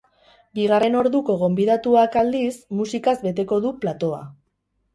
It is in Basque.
Bigarren orduko gonbidatuak, aldiz, musikaz beteko du platoa.